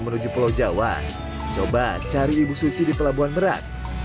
menuju pulau jawa coba cari ibu suci di pelabuhan merak